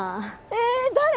え誰？